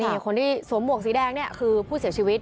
นี่คนที่สวมหวกสีแดงเนี่ยคือผู้เสียชีวิต